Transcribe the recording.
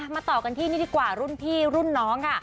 มาต่อกันทีนี้ดีกว่ารุ่นพี่รุ่นน้อง